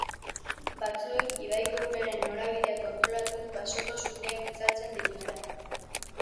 Batzuek ibaiko uraren norabidea kontrolatuz basoko suteak itzaltzen dituzte.